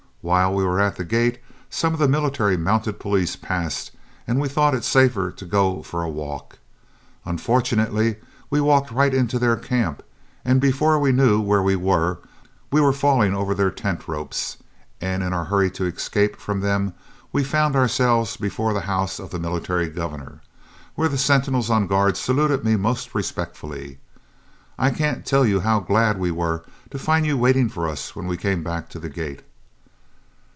While we were at the gate some of the Military Mounted Police passed and we thought it safer to go for a walk. Unfortunately we walked right into their camp, and before we knew where we were, we were falling over their tent ropes, and in our hurry to escape from them we found ourselves before the house of the Military Governor, where the sentinels on guard saluted me most respectfully. I can't tell you how glad we were to find you waiting for us when we came back to the gate."